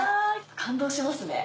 感動しますね。